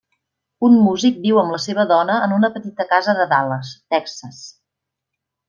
Un músic viu amb la seva dóna en una petita casa de Dallas, Texas.